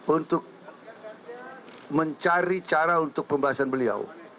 untuk mencari cara untuk pembahasan beliau